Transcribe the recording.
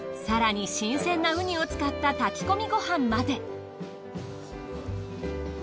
更に新鮮なうにを使った炊き込みごはんまで。